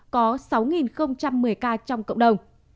có sáu một mươi ca trong cộng đồng